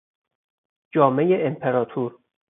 جامهی امپراطور